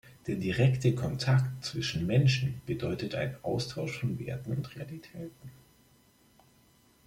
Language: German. Der direkte Kontakt zwischen Menschen bedeutet ein Austausch von Werten und Realitäten.